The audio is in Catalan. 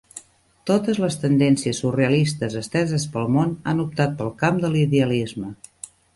Totes les tendències surrealistes esteses pel món han optat pel camp de l'idealisme.